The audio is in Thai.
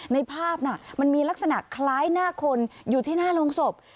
ในภาพน่ะมันมีลักษณะคล้ายหน้าคนอยู่ที่หน้าโรงศพ